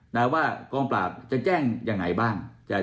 ได้ว่ากองปราบจะแจ้งอย่างไรบ้าง